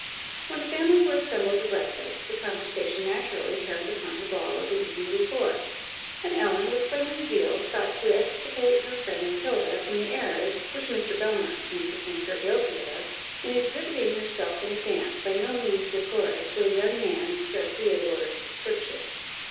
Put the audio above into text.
When the family were assembled to breakfast, the conversation naturally turned upon the ball of the evening before; and Ellen, with friendly zeal, sought to exculpate her friend Matilda from the errors which Mr. Belmont seemed to think her guilty of, in exhibiting herself in a dance, by no means decorous, with a young man of Sir Theodore's description.